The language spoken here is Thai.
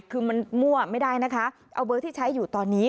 คือมันมั่วไม่ได้นะคะเอาเบอร์ที่ใช้อยู่ตอนนี้